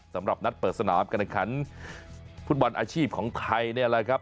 สำหรับนัดเปิดสนามการแข่งขันฟุตบอลอาชีพของไทยเนี่ยแหละครับ